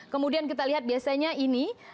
kemudian kita lihat biasanya ini